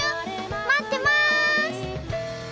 待ってます！